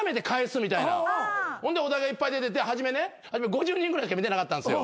ほんでお題がいっぱい出てて初め５０人ぐらいしか見てなかったんですよ。